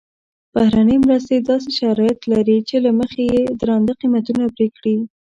بهرنۍ مرستې داسې شرایط لري چې له مخې یې درانده قیمتونه پرې کړي.